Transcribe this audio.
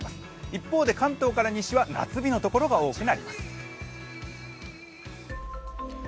一方で、関東から西は夏日のところが多くなります。